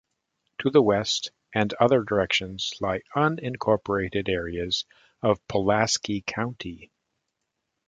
To the west and other directions lie unincorporated areas of Pulaski County.